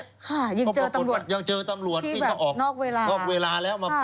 ยังเจอตำรวจจ้างเจอแล้วปุ๊บที่แบบนอกเวลา